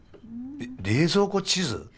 えっ冷蔵庫地図？